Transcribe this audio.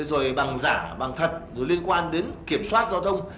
rồi bằng giả bằng thật rồi liên quan đến kiểm soát giao thông